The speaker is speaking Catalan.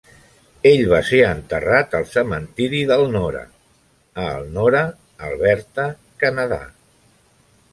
Ell va ser enterrat al cementiri d'Elnora, a Elnora, Alberta, Canadà.